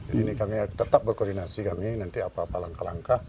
jadi ini kami tetap berkoordinasi kami nanti apa apa langkah langkah